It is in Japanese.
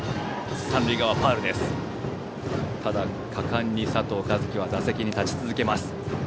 ただ、果敢に佐藤和樹は打席に立ち続けます。